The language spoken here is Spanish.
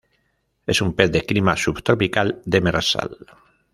Es un pez de clima subtropical demersal.